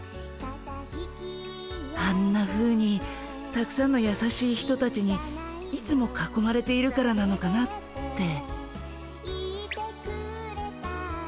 あんなふうにたくさんのやさしい人たちにいつもかこまれているからなのかなって。